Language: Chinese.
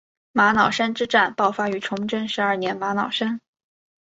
玛瑙山之战爆发于崇祯十二年玛瑙山。